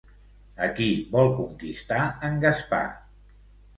A qui vol conquistar en Gaspar?